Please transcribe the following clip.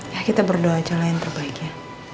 ya kita berdoa aja lah yang terbaik ya